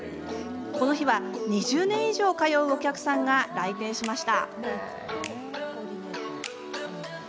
この日は２０年以上通うお客さんが来店しました。